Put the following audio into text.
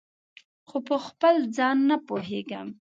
خو پخپل ځان نه پوهیږم